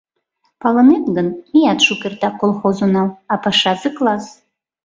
— Палынет гын, меат шукертак колхоз онал, а пашазе класс...